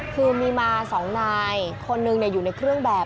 คือมีมา๒นายคนหนึ่งอยู่ในเครื่องแบบ